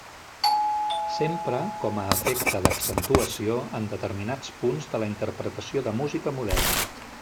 S'empra com a efecte d'accentuació en determinats punts de la interpretació de música moderna.